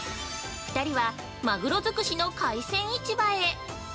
２人は、まぐろづくしの海鮮市場へ。